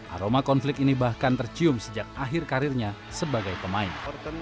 aroma konflik ini bahkan tercium sejak akhir karirnya sebagai pemain